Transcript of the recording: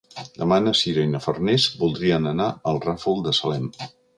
Demà na Sira i na Farners voldrien anar al Ràfol de Salem.